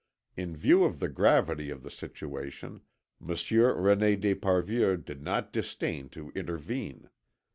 In view of the gravity of the situation, Monsieur René d'Esparvieu did not disdain to intervene.